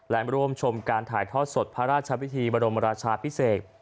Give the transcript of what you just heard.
และร่วมชมการถ่ายทอดสดพระราชพิธีบรมราชาพิเศษ